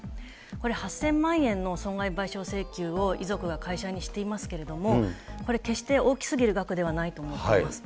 これ、８０００万円の損害賠償請求を遺族が会社にしていますけれども、これ、決して大きすぎる額ではないと思っています。